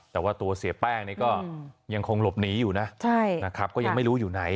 แต่ว่าตัวเสียแป้งนี่ก็ยังคงหลบหนีอยู่นะนะครับก็ยังไม่รู้อยู่ไหน